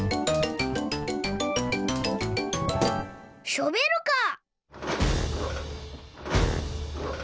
ショベルカー。